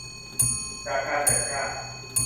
จากการจัดจ้าง